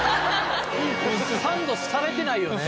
サンドされてないよね。